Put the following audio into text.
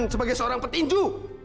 sebagai seorang petinju